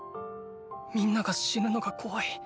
みんなが死ぬのが怖い。